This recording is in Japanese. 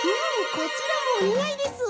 こちらもおにあいです！